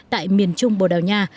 tại miền trung bồ đào nha